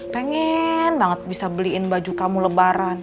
pengen banget bisa beliin baju kamu lebaran